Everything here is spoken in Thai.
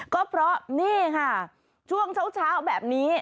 ก็เพราะนี่ค่ะช่วงเช้าแบบนี้